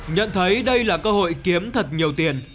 nhận thấy đây là cơ hội kiếm thật nhiều tiền